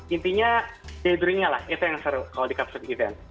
intinya daydreaming nya lah itu yang seru kalau di capsleaf event